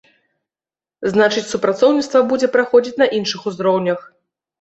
Значыць, супрацоўніцтва будзе праходзіць на іншых узроўнях.